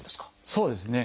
そうですね。